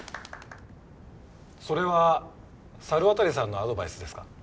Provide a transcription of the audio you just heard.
それは猿渡さんのアドバイスですか？